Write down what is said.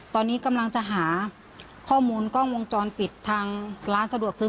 ตอนนี้กำลังจะหาข้อมูลกล้องวงจรปิดทางร้านสะดวกซื้อ